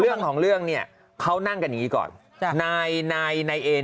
เรื่องของเรื่องนี่เขานั่งกันอย่างนี้ก่อน